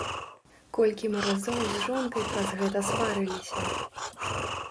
Колькі мы разоў з жонкай праз гэта сварыліся!